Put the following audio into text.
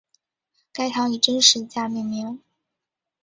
该堂以真十字架命名。